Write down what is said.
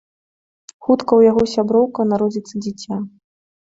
Хутка ў яго з сяброўкай народзіцца дзіця.